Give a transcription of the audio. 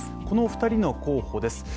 この２人の候補です。